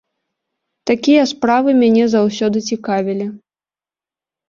Такія справы мяне заўсёды цікавілі.